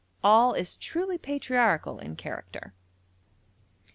All is truly patriarchal in character.